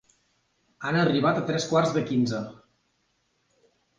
Han arribat a tres quarts de quinze.